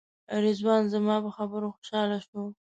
رضوان زما په خبره خوشاله شو.